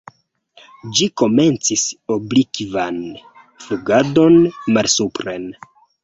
Ĝi komencis oblikvan flugadon malsupren.